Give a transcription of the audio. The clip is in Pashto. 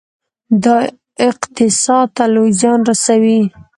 دا اقتصاد ته لوی زیان رسوي.